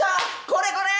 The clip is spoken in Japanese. これこれ！